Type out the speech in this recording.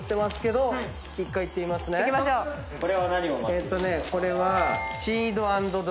えっとねこれは。